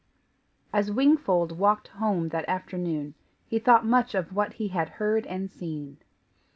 As Wingfold walked home that afternoon, he thought much of what he had heard and seen.